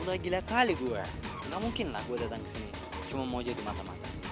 udah gila kali gua gak mungkin lah gua datang kesini cuma mau jadi mata mata